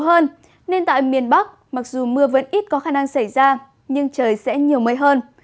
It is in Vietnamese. hơn nên tại miền bắc mặc dù mưa vẫn ít có khả năng xảy ra nhưng trời sẽ nhiều mây hơn